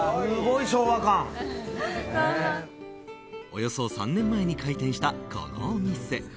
およそ３年前に開店したこのお店。